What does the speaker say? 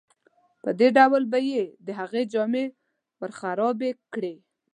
په دې ډول به یې د هغه جامې ورخرابې کړې.